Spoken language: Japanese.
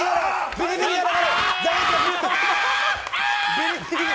ビリビリが！